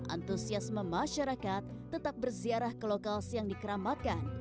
antusiasme masyarakat tetap berziarah ke lokal siang dikeramakan